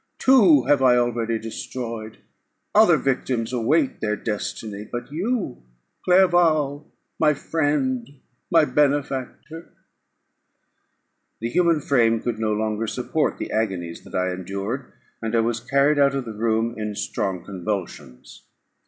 Two I have already destroyed; other victims await their destiny: but you, Clerval, my friend, my benefactor " The human frame could no longer support the agonies that I endured, and I was carried out of the room in strong convulsions.